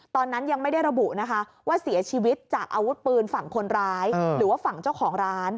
ตอนนั้นยังไม่ได้ระบุนะคะว่าเสียชีวิตจากอาวุธปืนฝั่งคนร้ายหรือว่าฝั่งเจ้าของร้าน